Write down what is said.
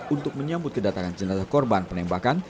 untuk menyambut kedatangan jenazah korban penembakan